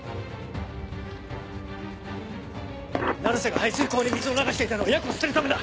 成瀬が排水溝に水を流していたのはヤクを捨てるためだ！